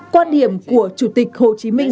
quan điểm của chủ tịch hồ chí minh